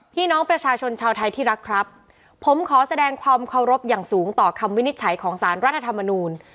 พี่น้องประชาชนชาวไทยที่รักครับผมขอแสดงความเคารพอย่างสูงต่อคำวินิจฉัยของสารรัฐธรรมนูล